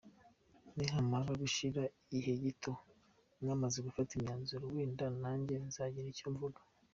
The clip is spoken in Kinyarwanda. "Nihamara gushira igihe gito mwamaze gufata imyanzuro, wenda nanjye nzagira icyo mvuga.